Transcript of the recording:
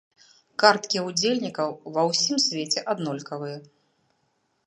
Карткі удзельнікаў ва ўсім свеце аднолькавыя.